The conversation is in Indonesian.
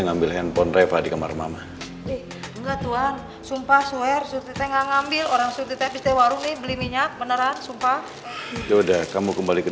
nih mundi mau ngomong